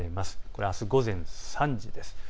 これはあす午前３時です。